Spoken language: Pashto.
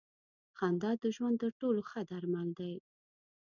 خندا د ژوند تر ټولو ښه درمل دی.